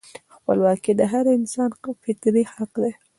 خپلواکي د هر انسان فطري حق دی.